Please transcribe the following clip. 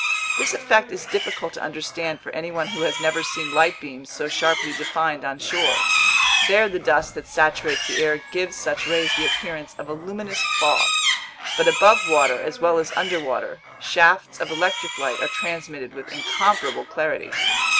This effect is difficult to understand for anyone who has never seen light beams so sharply defined on shore. There the dust that saturates the air gives such rays the appearance of a luminous fog; but above water as well as underwater, shafts of electric light are transmitted with incomparable clarity.